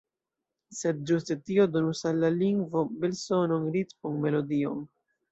Sed ĝuste tio donus al la lingvo belsonon, ritmon, melodion.